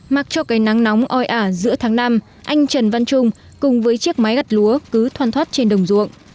mặc cho cây nắng nóng oi ả giữa tháng năm anh trần văn trung cùng với chiếc máy gặt lúa cứ thoan thoát trên đồng ruộng